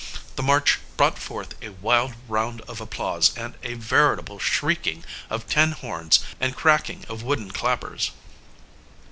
The march brought forth a wild round of applause and a veritable shrieking of tin horns and cracking of wooden clappers.